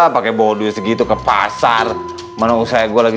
maaf kita bisa ber hari lagi